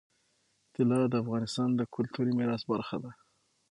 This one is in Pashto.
طلا د افغانستان د کلتوري میراث برخه ده.